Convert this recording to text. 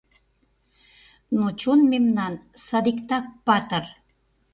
Но чон мемнан садиктак патыр!